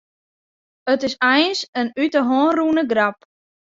It is eins in út 'e hân rûne grap.